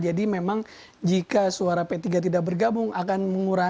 jadi memang jika suara p tiga tidak bergabung akan mengubah